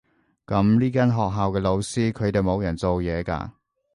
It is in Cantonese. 噉呢間學校嘅老師，佢哋冇人做嘢㗎？